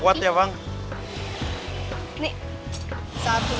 ya bentar gue beri